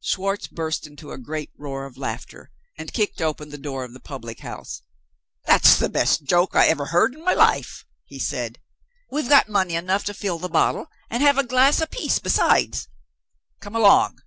Schwartz burst into a great roar of laughter, and kicked open the door of the public house. "That's the best joke I ever heard in my life," he said. "We've got money enough to fill the bottle, and to have a glass a piece besides. Come along!"